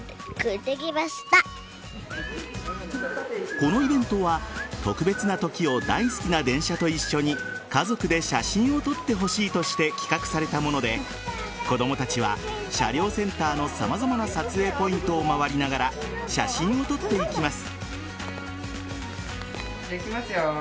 このイベントは特別な時を大好きな電車と一緒に家族で写真を撮ってほしいとして企画されたもので子供たちは車両センターの様々な撮影ポイントを回りながら写真を撮っていきます。